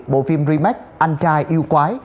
bộ phim remake anh trai yêu quái